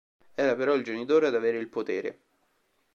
Era però il genitore ad avere il potere.